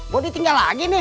gue ditinggal lagi nih